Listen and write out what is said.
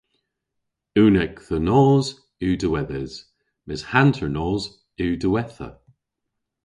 Unnek dhe nos yw diwedhes mes hanternos yw diwettha!